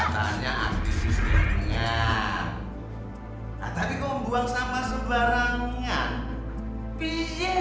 tapi kau buang sama sebarangan